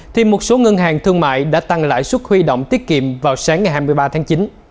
thì một số ngân hàng thương mại đã tăng lãi suất huy động tiết kiệm vào sáng ngày hai mươi ba tháng chín